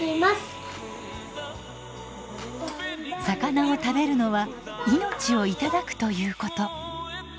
魚を食べるのは命をいただくということ。